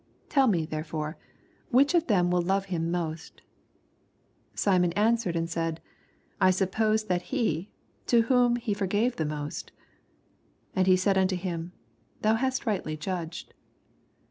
Tell me therefore, which of them wH love him most ? 48 Simon answered and said, I sup pose that hey to whom he tbrgave most. And he said nnto him. Thou hast rightly judged.